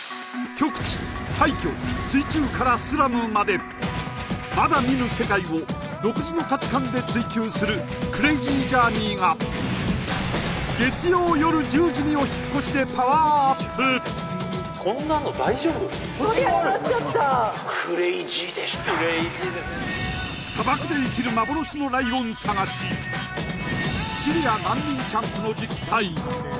極地廃墟水中からスラムまでまだ見ぬ世界を独自の価値観で追求する「クレイジージャーニー」が月曜夜１０時にお引っ越しでパワーアップ砂漠で生きる幻のライオン探しシリア難民キャンプの実態